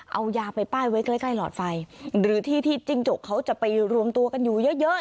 เอายาไปป้ายไว้ใกล้ใกล้หลอดไฟหรือที่ที่จิ้งจกเขาจะไปรวมตัวกันอยู่เยอะเยอะ